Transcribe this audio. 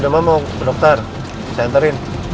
dan ditanya kayak nina terus